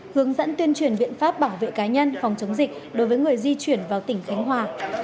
hướng dẫn tuyên truyền biện pháp bảo vệ cá nhân phòng chống dịch đối với người di chuyển vào tỉnh khánh hòa